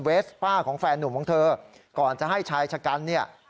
สป้าของแฟนหนุ่มของเธอก่อนจะให้ชายชะกันเนี่ย